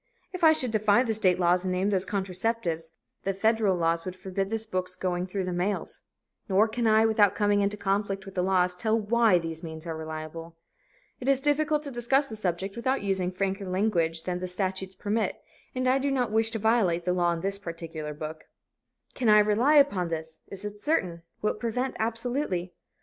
If I should defy the state laws and name those contraceptives, the federal laws would forbid this book's going through the mails. Nor can I, without coming into conflict with the laws, tell why these means are reliable. It is difficult to discuss the subject without using franker language than the statutes permit, and I do not wish to violate the law in this particular book. "Can I rely upon this? Is it certain? Will it prevent absolutely?"